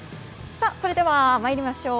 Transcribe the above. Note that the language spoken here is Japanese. それでは参りましょう。